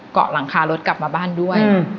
เกาะหลังคารถกลับมาบ้านด้วย